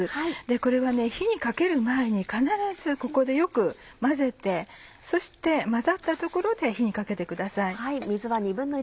これは火にかける前に必ずここでよく混ぜてそして混ざったところで火にかけてください。